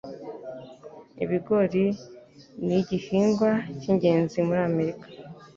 Ibigori nigihingwa cyingenzi muri Amerika